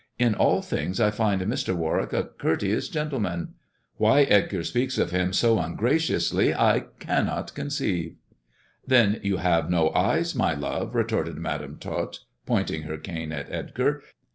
"In all things I find Mr. Warwick a courteous gentle man. Why Edgar speaks of him so ungraciously I cannot conceive." "Then you have no eyes, my love," retorted Madam Tot, pointing her cane at Edgar.